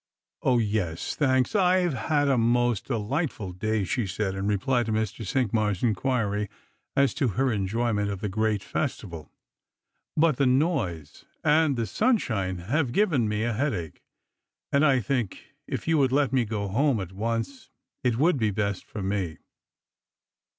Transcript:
" 0, yes, thanks ; I've had a most delightful day," she said, in reply to Mr. Cinqmars' inquiry as to her enjoyment of the great festival: " but the noise and the sunshine have given me a head* 180 Slravgers and, IPilrjrimi. ache, and I think, if yoa would let me go home at once, it would be best for me."